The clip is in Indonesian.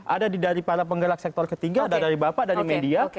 ada dari para penggerak sektor ketiga ada dari bapak dari media